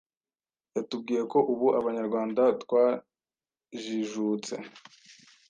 Yatubwiye ko ubu Abanyarwanda twajijutse,